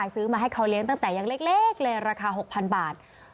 ซื้อมาให้เขาเลี้ยงตั้งแต่ยังเล็กเลยราคา๖๐๐๐บาท